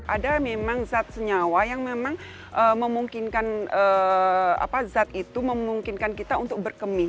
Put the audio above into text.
ada memang zat senyawa yang memang memungkinkan kita untuk berkemih